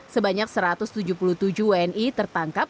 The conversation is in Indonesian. sebanyak satu ratus tujuh puluh tujuh wni tertangkap